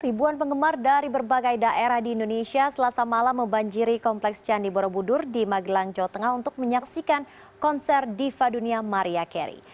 ribuan penggemar dari berbagai daerah di indonesia selasa malam membanjiri kompleks candi borobudur di magelang jawa tengah untuk menyaksikan konser diva dunia maria carry